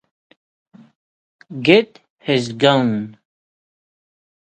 Get his gun!